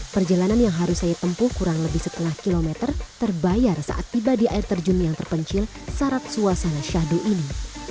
perjalanan yang harus saya tempuh kurang lebih setengah kilometer terbayar saat tiba di air terjun yang terpencil syarat suasana syahdu ini